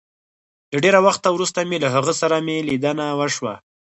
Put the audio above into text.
له ډېره وخته وروسته مي له هغه سره مي ليدنه وشوه